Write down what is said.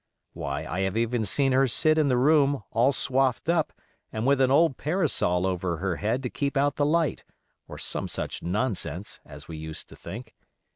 Why, I have even seen her sit in the room, all swathed up, and with an old parasol over her head to keep out the light, or some such nonsense, as we used to think.